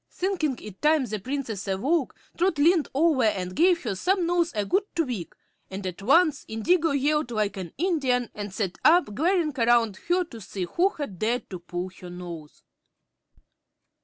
Thinking it time the Princess awoke, Trot leaned over and gave her snubnose a good tweak, and at once Indigo yelled like an Indian and sat up, glaring around her to see who had dared to pull her nose.